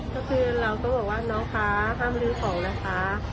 ก็คือเราก็บอกว่าน้องคะถ้ามาซื้อของนะคะ